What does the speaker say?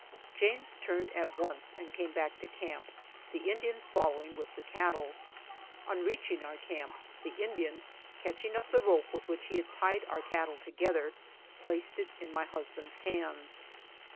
James turned at once and came back to camp, the Indian following with the cattle. On reaching our camp = the Indian, catching up the rope with which he had tied our cat tle together, placed it in my husband's hands.